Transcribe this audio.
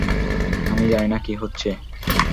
আমি জানি না কি হচ্ছে।